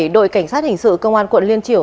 đội cảnh sát hình sự công an quận liên triều